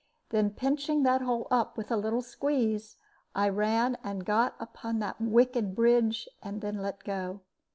Then pinching that hole up with a squeeze, I ran and got upon that wicked bridge, and then let go.